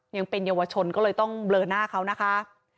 ยังเป็นเยาวชนก็เลยต้องเบลอหน้าเขานะคะ